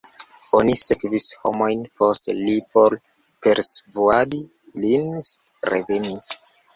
Oni sendis homojn post li por persvuadi lin reveni.